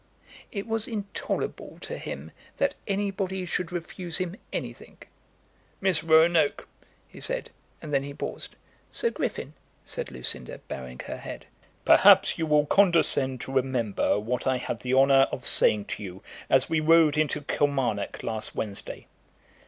It was intolerable to him that anybody should refuse him anything. "Miss Roanoke," he said; and then he paused. "Sir Griffin," said Lucinda, bowing her head. "Perhaps you will condescend to remember what I had the honour of saying to you as we rode into Kilmarnock last Wednesday."